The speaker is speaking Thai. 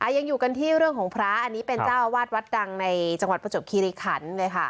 ยังอยู่กันที่เรื่องของพระเป็นเจ้าอาวาสวัสดกในจังหวัดประจบครีริขันฯ